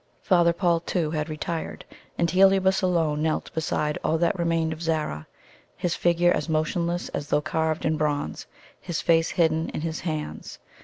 Father Paul, too, had retired, and Heliobas alone knelt beside all that remained of Zara, his figure as motionless as though carved in bronze, his face hidden in his hands.